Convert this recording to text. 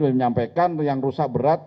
menyampaikan yang rusak berat